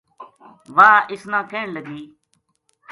واہ اس نا کہن لگی